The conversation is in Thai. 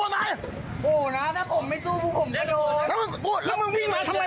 ไม่ใช่ผมไม่ใช่มึงได้อย่างไร